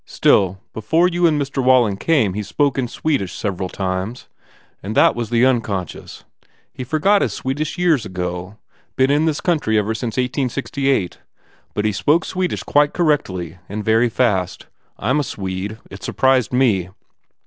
Still, before you and Mr. Walling came he spoke in Swedish sev eral times. And that s the unconscious. He for got his Swedish years ago. Been in this country ever since eighteen sixty eight. But he spoke Swedish quite correctly and very fast. I m a Swede. It surprised me."